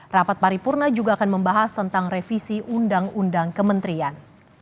rapat paripurna juga akan membahas tentang revisi undang undang kementerian